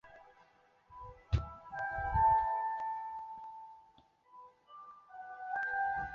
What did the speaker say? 至今潮阳区已公布五批市级文物保护单位。